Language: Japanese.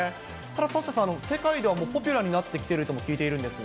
サッシャさん、世界ではもうポピュラーになってきているとも聞いてるんですが。